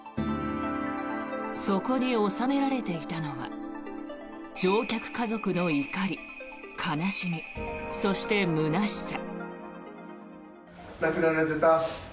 そこに収められていたのは乗客家族の怒り、悲しみそして、むなしさ。